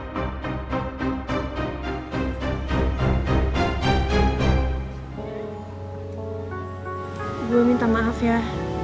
tadi gue ninggalin lu karena batu batak